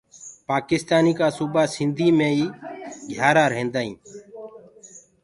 پآڪِستآني ڪآ سوُبآ سندهيٚ مينٚ ئي گھِيآرآ ريهدآئين۔